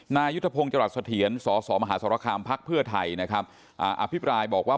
นายุทธพงศ์จรัสเถียนสสมหาสรคามพไทยอภิปรายบอกว่า